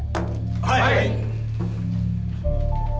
はい！